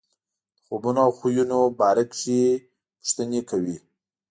د خوبونو او خویونو باره کې یې پوښتنې کوي.